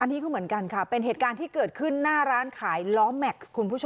อันนี้ก็เหมือนกันค่ะเป็นเหตุการณ์ที่เกิดขึ้นหน้าร้านขายล้อแม็กซ์คุณผู้ชม